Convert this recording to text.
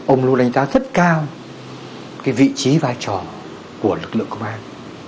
ông luôn đánh giá rất cao cái vị trí vai trò của lực lượng công an